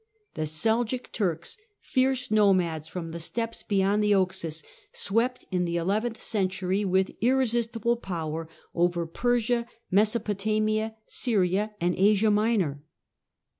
The Seljuk Turks, fierce nomads from the steppes beyond the Oxus, swept, in the eleventh century, with irresistible power, over Persia, Mesopotamia, Syria and Asia Minor.